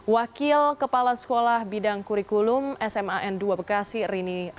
wakil kepala sekolah bidang kurikulum sma n dua bekasi rini